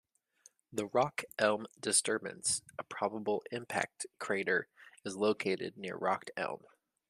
The Rock Elm Disturbance, a probable impact crater, is located near Rock Elm.